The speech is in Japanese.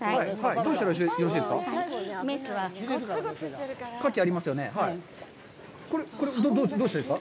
どうしたらよろしいですか？